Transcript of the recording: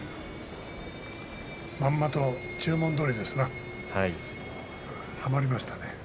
まんまと注文どおりですね。